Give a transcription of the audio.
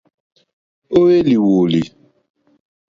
Ó hwélì wòòlì.